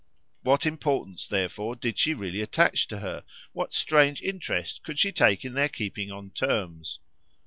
What importance therefore did she really attach to her, what strange interest could she take in their keeping on terms?